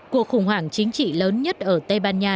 cuộc khủng hoảng chính trị lớn nhất ở tây ban nha